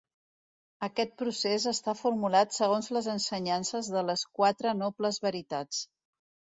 Aquest procés està formulat segons les ensenyances de les Quatre Nobles Veritats.